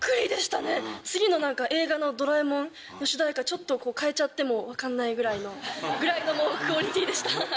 次の映画の『ドラえもん』の主題歌ちょっと替えちゃっても分かんないぐらいのクオリティーでした。